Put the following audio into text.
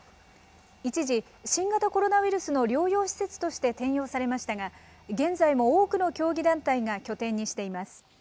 一時、新型コロナウイルスの療養施設として転用されましたが、現在も多くの競技団体が拠点にしています。